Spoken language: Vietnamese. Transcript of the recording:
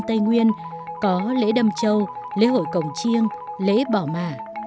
tây nguyên có lễ đâm châu lễ hội cổng chiêng lễ bỏ mả